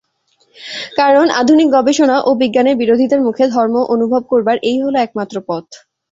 কারণ আধুনিক গবেষণা ও বিজ্ঞানের বিরোধিতার মুখে ধর্ম অনুভব করবার এই হল একমাত্র পথ।